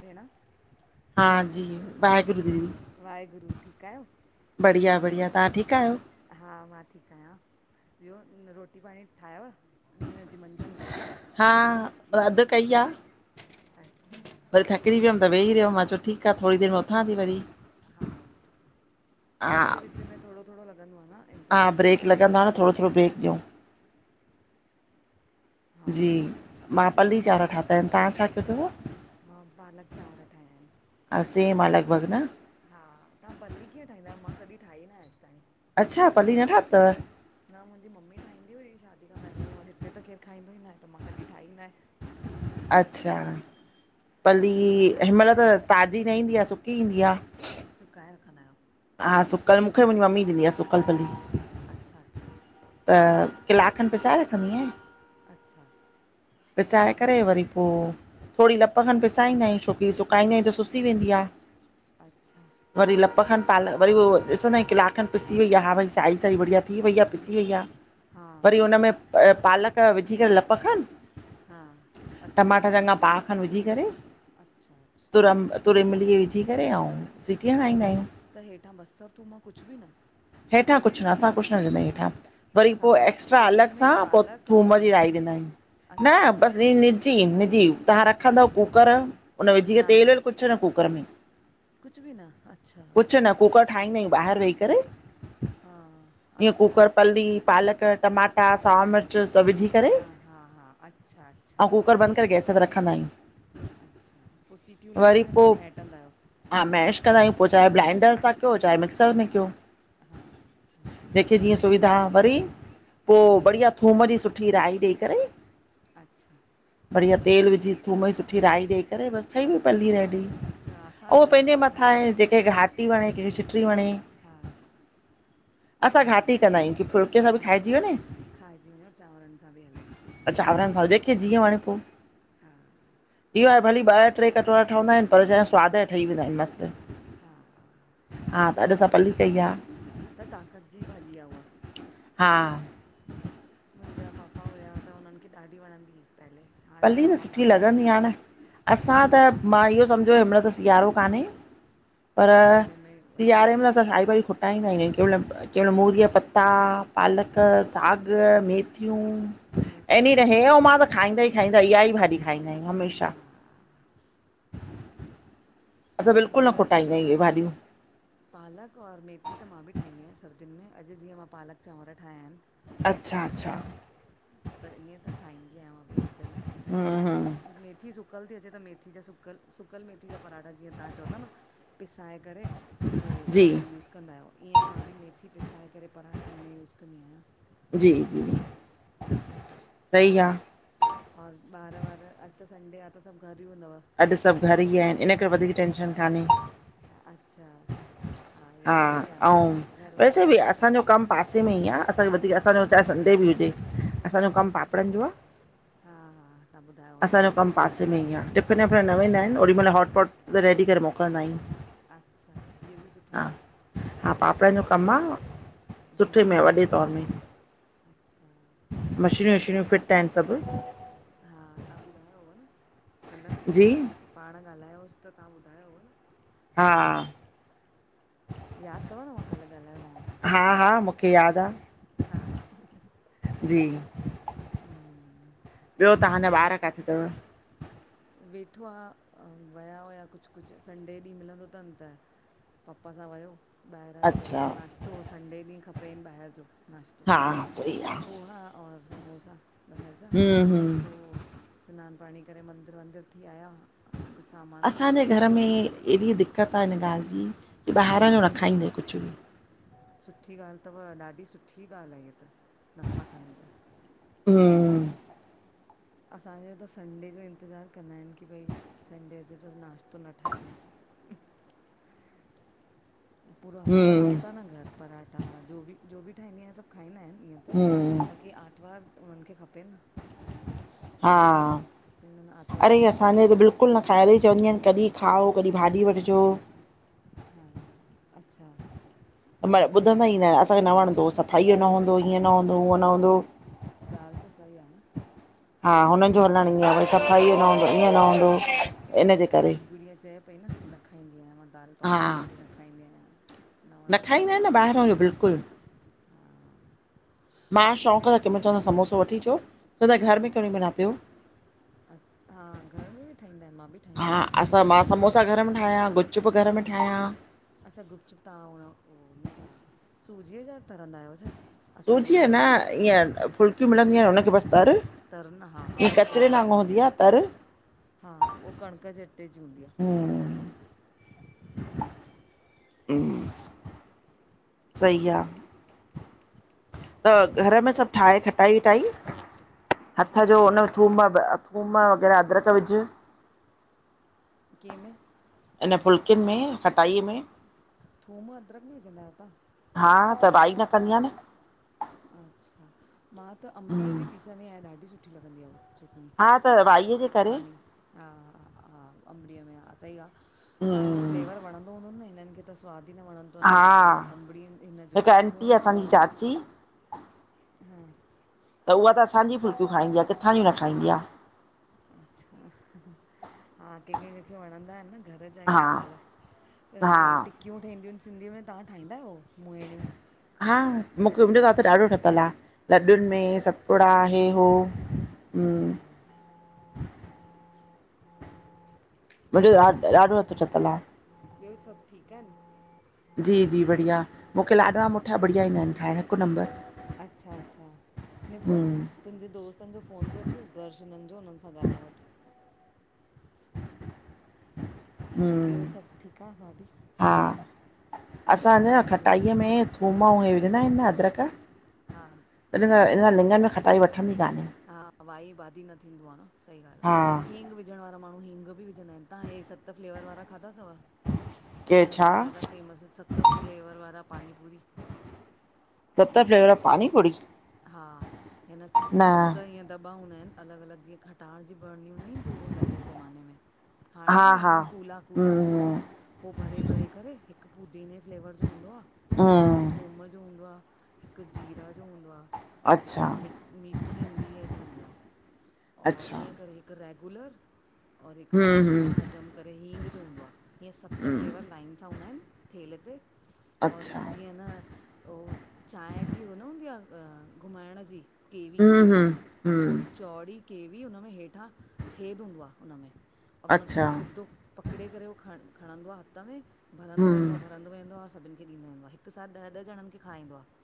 भेण हा जी वाहेगुरु दीदी ठीकु, वाहेगुरुू ठीकु आहियो? बढ़िया- बढ़िया, तां ठीकु आहियो? हा, मां ठीकु आहियां। ॿियो रोटी पाणी ठाहियव, ॾींहं जी मंझंदि कई तव? हा, अदि कई आ। अच्छा। वरी थकिजी वियमि त वेही रहिम मां चयो ठीक आ थोड़ी देरि में उथां ती वरी। हा। हा, विच -विच में थोड़ो -थोड़ो लॻंदो आ न हा इंतज़ारु ब्रेक करे। लॻंदो आ न थोरो थोरो ब्रेक ॾियूं हा जी, मां पली चांवर ठाता इनि, तां छा कयो तव? मां पालक चांवर ठाया इनि। हा सेम आ लॻभॻ न? हा, तां पली कीअं ठाहींदायो मां कॾीं ठाई नाए अॼ ताणी। अच्छा पली न ठातव न मुंहिंजी मम्मी ठाहींदी हुई शादी खां पहिले वरी हिते त केरु खाईंदो ई नाहे त मां कॾीं ठाई ई नाहे। अच्छा, पली मम्मी हिन ठाहींदा महिल त हुया मुंहिंजी ताज़ी न ईंदी आ, सुकी ईंदी आ। सुकाए रखंदायो? हा, सुकल मूंखे मुंहिंजी मम्मी ॾिंदी आ सुकल पली। अच्छा -अच्छा। त किलाक खनि पिसाए रखंदीयां अच्छा पोइ पिसाए हुन करे में वरी पो थोड़ी लप खनि पिसाईंदायूं, छोकी सुकाईंदायूं त सुसी वेंदी। अच्छा। वरी लप खनि पाल वरी उहो ॾिसंंदायूं किलाक खन पिसी वई आ, हा भई साई साई बढ़िया थी वई आ, पिसी वई आ हा वरी हुन में पालक विझी करे लप हा खनि अच्छा टमाटा अच्छा चङा पाव खन विझी करे, अच्छा अच्छा तुरम तुर इमिली ई विझी करे अउं सिटी हणाईंदायूं। त हेठां बसर, थूम कुछ बि न? हेठां कुछ न, असां कुछ न विझंदायूं हेठां। वरी तव्हां पो बसि एक्स्ट्रा तेल अलॻि सां में पो पालक और थूम जी पली राई ॾींदा आहियूं, न अच्छा बसि अच्छा ईनि ची इनिजी तव्हां रखंदव कुकर उन विझ करे तेल -वेल कुछ न कूकर में, कुछ बि न, अच्छा। कुछ न कुूकर ठाहींदायूं ॿाहिरि वेही करे, हा ईअं अच्छा कुकर अच्छा पल्ली, अच्छा पालक टमाटा, साओ मिर्च च सभु विझी करे हा हा हा अच्छा अच्छा अउं कूकर बंदि करे गैस ते रखंदा आहियूं। अछा पो सिटियूं लॻी वरी वञनि, पो पोइ मैटंदा आहियो? हा, मेश कंदायूं पो चाहे ब्लाइंडर सां कयो चाहे मिक्सर में कयो। हा हा जेंहिंखे जीअं सुविधा वरी पो हम्म बढ़िया थूम जी सुठी राई ॾेई करे अच्छा बढ़िया थूम जी तेल विझी, थूम जी सुठी राई ॾेई करे बस ठही वई पली रेडी। त आसानु उहो आहे पंहिंजे मां मथां ठाहे थी आहे ॾिसां जेखें घाटी वणे कंहिंखे शीट्री वणे। हा हा असां हा घाटी कंदा आहियूं की फुल्के सां बि घाटी खाइजी वञे। खाइजी वञो चांवरनि सां बि हले अच्छा [unintelligible] सां जेंहिंखे जी वणे पो। हा इहो आहे भली ॿ ट्रे कटोरा ठहंदा आहिनि पर छाहे स्वाद जा ठही वेंदा आहिनि मस्तु। हा हा त अॼु असां पल्ली कई आ। त ताक़त जी भाॼी आ उह। हा मुंजा पापा हुया त उन्हनि खे ॾाढी वणंदी हुई पहले। हाणे पल्ली त पापा सुठी कान लॻंदी आहिनि आ न असां हा त, मां इहो समझो हिमहिल त सिआरो कान्हे पर सियारे में वधीक सिआारे में त ठाहींदा असां साई आहियूं भाॼीयु खुटाईंदा न आहियूं कंमहिल केमहिल हा मूरीअ जा पत्ता, पालक, साॻ मेथियूं मेथियूं एनी न हे वेथियूं अऊं मां त ठाहींदा खाईंदा आहियूं ही खाईंदा इहा ही भाॼी खाईंदा आहियूं हमेशा। हा असां हा बिल्कुल न त खुटाईंदायूं आहियु आहे भाॼियूं। पालक और मेथी त मां बि ठाहींदी आहियां सर्दियुनि में अॼु जीअं मां पालक चांवर ठाहिया आहिनि। अच्छा अच्छा त ईअं त ठाहींदी आहियां मां बि हफ़्ते में लेकिन हम्म हाणे बि हम्म मेथी सुखी सुकियल थी अचे त मेथी जा सुकियल सुकियल मेथी जा पराठा जीअं तव्हां चओ था न पिसाए करे पो जी पल्ली यूस कंदा आहियो, ईअं ई मां बि मेथी पिसाए करे पराठनि में यूस कंदी आहियां। जी जी सही आ। और ॿार वार अॼु त संडे आ त सब घर ही हूंदव? अॼु सब घर ही आहिनि इन करे वधीक टेंशन कान्हे। अच्छा। हा इहा ॻाल्हि बि आहे न अऊ घर हूंदा वैसे आहिनि बि त असांजो कम पासे पासे में ही आ, असांजो वधीक असांजो चाहे संडे बि हुजे। असांजो कम अच्छा पापड़नि जो आ हा हा तव्हां ॿुधायो हुआ न असांजो कम कल्ह पासे में ही आ टिफिन विफ़िन न वेंदा आहिनि ओॾी महिल हॉटपॉट रेडी करे मोकिलंदा आहियूं। अच्छा अच्छा इहो बि सुठो हा आ न। हा पापड़नि जो कम आ सुठे में हम्म आ हा वॾे तौर में। अच्छा मशीनियूं वछीनियूं फिट आहिनि सभ। हा तव्हां ॿुधायो हुव न, कल्ह ॻाल्हि जी पाण ॻाल्हायोसि त तव्हां ॿुधायो हुव हा याद तव न मां कल्ह ॻाल्हायोमांव तव्हां सां? हा हा मूंखे यादि आहे हा जी हम्म ॿियो तव्हांजा ॿार काथे तव? वेठो आ, वया हुआ कुछ कुछ संडे ॾींहुं मिलंदो तनि त पपा सां वयो ॿाहिरां जो पहले अच्छा त नाश्तोओ संडे ॾींहुं खपेनि ॿाहिरि जो। नशतो हा सही आहे पोहा और समोसा। ॿाहिरि जा हम्म हम्म पो स्नान पाणी करे मंदीर वंदरु थी आया। कुझु सामान असांजे खपेनि घर में पियो एहिड़ी दिकक्त दिकक्त आ कि हिन ॻाल्हि जी की ॿाहिरां जो न खाईंदे कुछ बि। सुठी ॻाल्हि तव, ॾाढी सुठी ॻाल्हि आहे ईअ त, नथा खाइनि त। हुं। असांजो त संडे जो इंतज़ारु कंदा आहिनि की भई, संडे अच त नाश्तो न ठाहिजईं। पूरो हफ़्तो हम्म खाऊं था न घर पराठा, जो बि जो बि ठाहींदी आहियां सभु। खाईंदा आहिनि ईअं त, हम्म बाक़ी आरतवार उन्हनि खे खपे न। हा, चवंदा आहिनि आर्तवार अरे असांजो असांजे त बिल्कुलु आहे बिल्कुलु न खार ई चंवंदीआयानि कॾहिं खाओ कॾीं भाॼी वठी अचो। हा अच्छा त न मतलब वठी ईंदा ॿुधंदा ईं न आहिनि, असांखे न वणंदो सफ़ाइयो न हूंदो, ईअं न हूंदो उअं न हूंदो। ॻाल्हि त सही आहे न। हा हुननि जो हलण ईअं आह। भई सफ़ाई यो न हूंदो ईअं न हूंदो इनजे हा करे तव्हांजी गुड़िया चए पई न की, न खाईंदी आहियां, मां दालि हा पकवान बि न खाईंदी आहियां। न खाईंदा आहिनि न ॿाहिरां इहो बिल्कुलु। हा मां शौक़ु त कंहिंहि चवंदा समोसो वठी अचो चवंदा घर में कयो हा नहि बनाते हो? हा घर में बि ठाहींदा आहिनि, मां बि ठाहींदी आहियां, सुठा ठहींदा आहिनि। ठाहिया गुच्पु घर में ठाहियां अच्छा गुप- चुप तव्हां हुनजा सूजीअ जा तरंदा आहियो छा? अटो सूजी ॻोहे न ईअं फुलकियूं मिलंदियूं आहिनि हुनखे बसि तर। तर न, हा- हा ईअं उहो त कचिरे मां बि वांगुरु कंदी हूंदी आहे आहियां, तर हा हा उह कणिक जे अटे जी हूंदी आहे। हम्म सही आहे। त घर में सभु ठाहे खटाई- विटाई हथ जो अच्छा हुन थूम ब, थूम वग़ैरह अदरक विझु कें में इन फुल्कनि में खटाईअ में थूम, अदरक बी विझंदा आहियो तहाँ? हा त वाई न कंदी आहे न। अच्छा मां त अंबड़ीअ जी पीसंदी आहियां ॾाढी सुठी लॻंदी आहे उहा। चटनी हा त भाईअ जे करे पाणी, हा -हा हा, अंबडीअ में हा सही आहे तव्हांजे फ्लेवर वणंदो हूदो हूंदनि, ‌हिननि खे त सवादु ई न वणं त हा हुननि जो अंबड़ीुनि हिनजो हिकु आंटी थूम आ असांजी और चाची [inaudible] त उहा त असांजी फुलकियूं खाईंदी आह। किथां ज न खाईंदी आहे। अच्छा, हा कंहिंखे कंहिंखे वणंदा आहिनि न। घर जा ई हा माल, त इहे हा टिकियूं ठहंदियूं आहिनि सिंधीअ में तव्हां ठाहींदा आहियो मुहेड़ियूं? हा मूंखे मुंहिंजो हथ ॾाढो ठहितलु आह। लॾडुनि में अच्छा सतपुड़ा हे हो हा मुंहिंजो ॾ ॾाढो हथु ठहितछल आहे। ॿियो सभु ठीकु आहिनि? जी जी बढ़िया मूंखे लाॾवा मुठा बढ़िया ईंदा आहिनि ठाहिण हिकु नंबर। अच्छा- अच्छा निपुण हम्म तुंहिंजे दोस्तनि जो फ़ोन थो अचे दर्शननि जो हुननि सां ॻाल्हाए वठि। ॿियो हम्म सभु ठीकु आहे भाभी? हा असांञा गुड़िया खटाईअ में थूम ऐं इहे विझंदा आहियू न अदरक हा त इन सां इ सां लिंङन में खटाई वठंदी कान्हे। हा वाही बादी न थींदो आह, सही ॻाल्हि हा आह हींग बि विझण वारा माण्हू हींग बि विझंदा आहिन। तव्हां हे सत फ्लेवर वारा खाधा थव केर असां छा हिते ॾाढा फेमस इन सत फ्लेवर वारा पानीपूरी। सत गुपचुप फ्लेवर पानी पूरी हा हिन च न ईअं दॿा हूंदा आहिनि अलॻि अलॻि जीअं खटाण जी भरिणियूं न ईंदियूं हुयूं पहिले ज़माने में हाणे हा बि हा ईंदियूं कूल्हा कूला। हम्म पोइ भरे, भरे करे हिकु पुदीने जे फ्लेवर जो हूंदो आह हिकु हम्म थूम जो हूंदो आह, हिकु जीरा जो हूंदो आह, हिकु अच्छा मि मीट मिठी इमलीअ जो हूंदो आह, और अच्छा ईअं करे हिकु रेगुलर और हिकु हम्म हाजमा हम्म हजम करे हींग जो हूंदो आह, ईअं सत फ्लेवर हम्म लाइन सां हूंदा आहिन थेल ते और अच्छा जीअं न ओ चांहि जी उ न हूंदी आह, घुमाइण जी केवी हु हु। ओड़ी चौड़ी केवी हुन में हेठां छेदि हूंदो आह हुनमें, और हुन खे ईीअं अच्छा, सिधो पकिड़े करे उहो ख खणंदो आह हथ में भरंदो वेंदो हम्म, आहे भ रंदो वेंदो आह सभिनि खे ॾींदो वेंदो आहे हिकु साथ ॾह ॾह जंनि खे खाईंदो आहे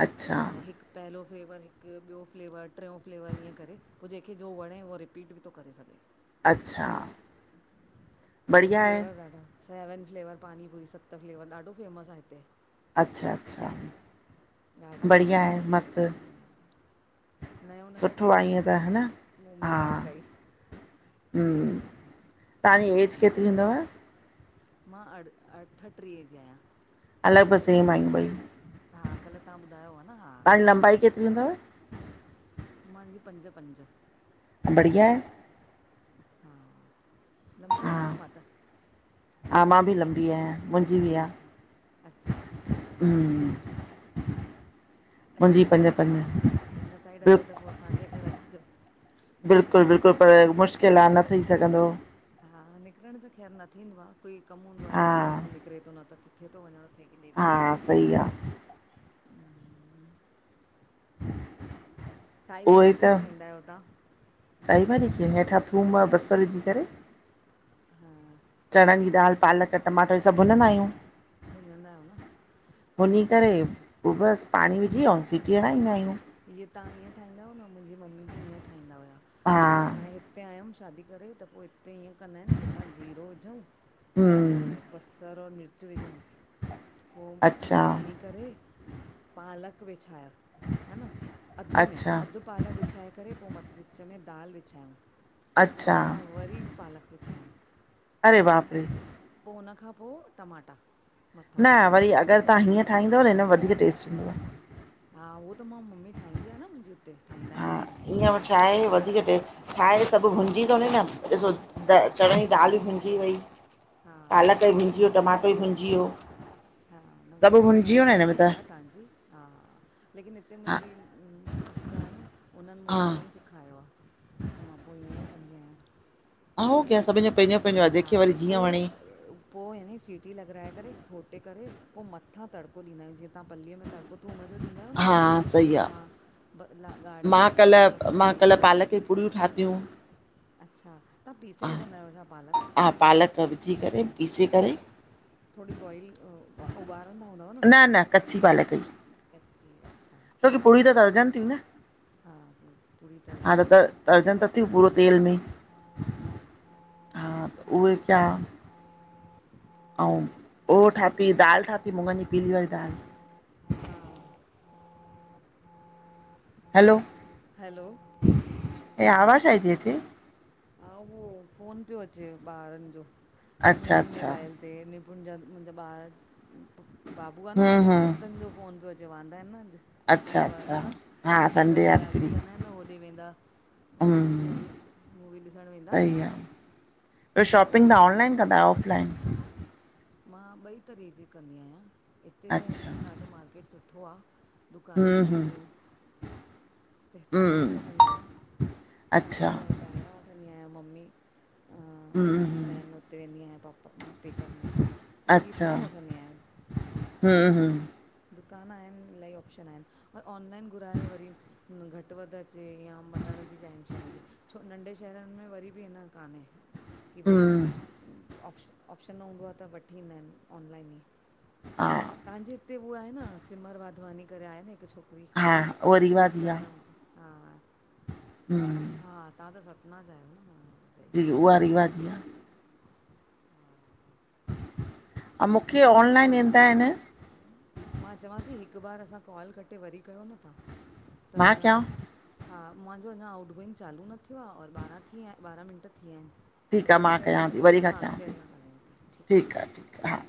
अच्छा, त हिकु पहिलो फ्लेवर हिकु ॿियो फ्लेवर, टियों फ़्लेवर ईअं करे पोइ जेंहिंखे जो वणे उहो रिपीट बि थो करे सघे। अच्छा। त उहो बढ़िया आहे, फ्लेवर ॾाढा सेवन फ्लेवर पानीपूरी सत फ्लेवर ॾाढो फेमस आह हिते। अच्छा, अच्छा, राजस्थान बढ़िया आहे में मस्तु। हा नयो नयो सुठो टेस्ट आहे ईअं ईंदो आह न, मुंह में खाई खाई। हु, तव्हांजी एज केतिरी हूंदव? मां अठ अठटीह जी आहियां। अलॻि पर सेम आहियूं ॿइ। हा कल्ह तव्हां ॿुधायो [unintelligible] तव्हां लंबाई केतिरी हूंदव? महंजी जी पंॼ पंॼ। बढ़िया आहे। हा, लंबी हा, आयां न मां त। हा मां बि लंबी आहियां मुंहिंजी बि आ, अच्छा अच्छा अच्छा हु अचिजो पोइ कॾहिं हिन साइड अचो बिल्क त पोइ असांजे घर अचिजो। बिल्कुलु, बिल्कुलु पर मुश्किल आह न थी सघंदो। हा, निकिरण त ख़ैर न थींदो आह, कोई कमु हूंदो आह, हा, तॾहिं माण्हू निकिरे थो न त किथे थो वञणु हा सही आ। साई उहो भाॼी ई कीअं त, ठाहींदा यो तां? साई भाॼी कीअ हेठां थूम बसरु विझी करे हा चणनि जी दाल, पालक, टमाटर सभु भुनंदा आयूं। भुञंदा आहियो न भुनी करे हम्म, पोइ बसि पाणी विझी ऐं सिटी हणाईंदा आहियूं। हे तव्हां हीअं ठाहींदा आहियो न मुंहिंजी मम्मी बि हीअं ठाहींदा हुया। हा पोइ हाणे हिते आयमि शादी करे त पोइ हुते ईीअं कंदा आहिनि हेठां जीरो विझूं हम्म पोइ बसरु और मिर्च विझूं अच्छा पोइ भुञी करे पालक विछाया हा न, अधु में अच्छा अधु पालक विछाए करे पोइ म विच में दाल विछायूं। पो अच्छा मथां वरी पालक विछाईयू। अड़े बाप रे। पो हुन खां पो टमाटा मथां न वरी अगरि तव्हां हीअं ठाहींदव न हिन में वधीक टेस्ट इंदव। हा उहो त मां मम्मी ठाहींदी आ न मुंजी हुते ठाहींदा आहिन हा मुंजा ममी ईअं मम्मी छा आहे वधीक लेकिन टेस्ट छा आहे सभु भूजीं तोनी नम ॾिसो त चणनि जी कचो दाल बि नथो रहे भुंजी वई, हा पालक बि भुजी वियो, टमाटो ई भुंजी वियो। हा न उहो सभु त भुंजी वियो ॻाल्ह न त हिन में सही आ तव्हांजी। हा लेकिन हिते हा मुंजी ससु आ न उन्हनि मूंखे ईअं ई हा सिखायो आ। त मां पो ईअं ई कंदी आयां। आऊं कयो सभिनि जो पंहिंजो पंहिंजो आहे हा जंहिंखे वरी पो जीअं वणे पो यानी सीटी लॻाराए करे घोटे करे पो मथां तड़िको ॾींदा आयूं जीअं तव्हां पलीअ में तड़िको पो थूम ज़ो ॾींदा आयो न हा सही ईअं आ मां ब ला ॻाढ़े मां मिर्च जो और कल्ह थूम मां जो कल्ह पालक जी पुड़ियूं ठातियूं। अच्छा, तव्हां पीसे विझंदा आयो छा पालक? आ पालक विझे करे पीसे करे। थोरी बॉइल अ उ उॿारंदा हूंदव न। कची अच्छा छो की पूरी त करजन ती न। हा पू पूड़ी तर्जन में आ न ती पूरो तेल में, हा हा उहे कया। आऊं उह ठाती दाल ठाती मुङनि जी पीली वारी दाल। हा, हैलो, हलो, हे आवाज़ छाजी ती अचे? हा उहो फ़ोन पयो अचे ॿारन जो अचे अच्छा मुंहिंजे अच्छा मोबाइल ते। ते निपुण जा मुंजा ॿार बाबू आ न हम्म हुनजे हम्म दोस्तन जो फ़ोन पियो अचे। जो वांदा आहिन न अॼु अच्छा आर्तवार अच्छा आ न हा संडे त आहे फ्री ॻाल्हियूं कंदा आहिन न हो ओॾे वेंदा। ह हम्म मूवी मूवी ॾिसण में सही आ, ॿियो शॉपिंग ॻाल्हाइणो तां अथनि ऑनलाइन कंदा आयो ऑफलाइन? मां ॿई तरीक़े जी कंदी आयां हिते त अच्छा याने ॾाढो मार्केट सुठो आ। दुकानूं बि हम्म हम्म सुठियूं आहिन। त हितां वठी हम्म वठंदी आयां अच्छा काफ़ी बार। ॿाहिरां वठंदी आहियां मम्मी हा हम्म, वठी ॾींदा हम्म, आहिन उते वेंदी आयां पापा पेकन में। बाक़ी अच्छा, हितां ई वठंदी आहियां हूं हूं। दुकान आहिन इलाही ऑप्शन आहिन ओर ऑनलाइन घुराए वरी घटि वधि अचे या मटण जी टेंशन हुजे छो नंढे शहरन में वरी बि हिन कान्हे। की भई हम्म, ऑपश ऑप्शन न हूंदो आ त वठी ईंदा आहिन ऑनलाइन ई। हा, तव्हांजे हिते उ आहे न सिमर वाधवानी करे आहे न हिकु छोक हुई हा, उहा रिवाजी आ, इंस्टाग्राम ते हा हम्म - - हा तव्हां त सतना जा आहियो न हा। जी उहा रीवा जी आ। घट - - [unintelligible] अउ मुखे भाभी ऑनलाइन ईंदा आहिन। मां चवां ती, हिकु बार असां कॉल कटे वरी कयो न तहां, त मां कयां, न- - हा मांजो अञां आउट गोइंग चालू न थियो आ, और ॿारहां थी विया ॿारहां मिनंट थी विया हिन। ठीकु त आ वरी मां कयो त पो हिन खां अॻिते अंञां ॻाल्हायूं ता। ठीक आ, ठीक आ हा।